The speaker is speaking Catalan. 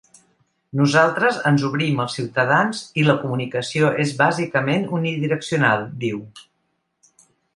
Nosaltres ens obrim als ciutadans i la comunicació és bàsicament unidireccional, diu.